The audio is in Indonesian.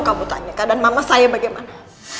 kamu tanyakan dan mama saya bagaimana